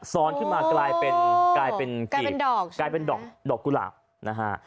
ซ้อนขึ้นมากลายเป็นกรีบดอกกุหลาบนะฮะ